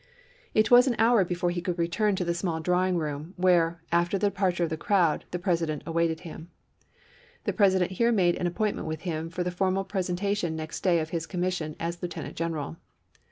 It was an hour before he could return to the Mar. 8, 1864. small drawing room, where, after the departure of the crowd, the President awaited him. The President here made an appointment with him for the formal presentation next day of his commission as lieutenant general.